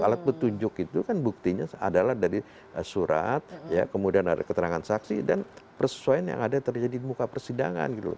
alat petunjuk itu kan buktinya adalah dari surat kemudian ada keterangan saksi dan persesuaian yang ada terjadi di muka persidangan